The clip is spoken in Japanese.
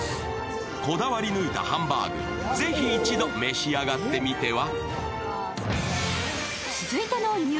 こだわり抜いたハンバーグ、是非一度召し上がってみては？